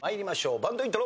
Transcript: バンドイントロ。